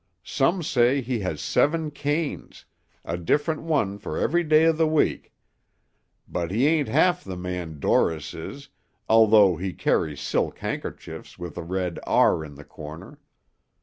Some say he has seven canes, a different one for every day in the week; but he ain't half the man Dorris is, although he carries silk handkerchiefs with a red 'R' in the corner.